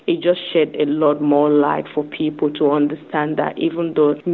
itu hanya memberikan banyak cahaya untuk orang untuk memahami bahwa